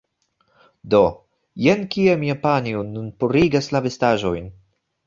Do, jen kie mia panjo nun purigas la vestaĵojn